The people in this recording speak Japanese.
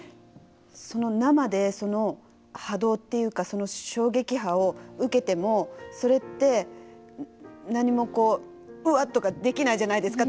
その生で波動っていうか衝撃波を受けてもそれって何も「うわっ」とかできないじゃないですか。